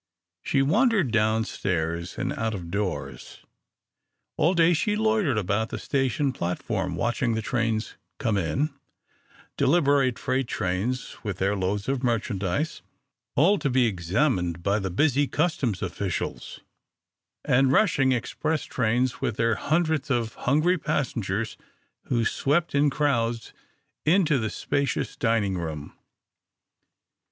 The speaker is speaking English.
She wandered down stairs and out of doors. All day she loitered about the station platform watching the trains come in, deliberate freight trains, with their loads of merchandise, all to be examined by the busy customs officials, and rushing express trains, with their hundreds of hungry passengers who swept in crowds into the spacious dining room.